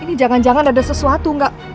ini jangan janak ada sesuatu gak